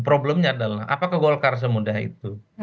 problemnya adalah apakah golkar semudah itu